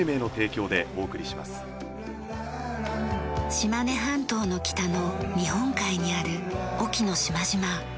島根半島の北の日本海にある隠岐の島々。